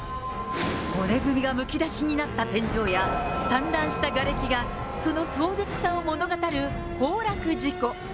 骨組みがむき出しになった天井や、散乱したがれきがその壮絶さを物語る崩落事故。